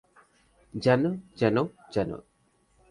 Gen, Jen, gen.